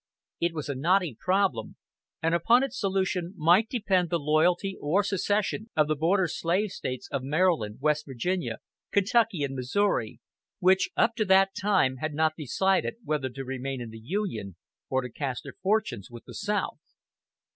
It was a knotty problem, and upon its solution might depend the loyalty or secession of the border slave States of Maryland, West Virginia, Kentucky and Missouri, which, up to that time, had not decided whether to remain in the Union or to cast their fortunes with the South.